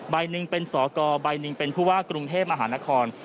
ใบหนึ่งเป็นสกใบหนึ่งเป็นผู้ว่ากรุงเทพมหานคร